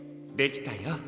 できたよ。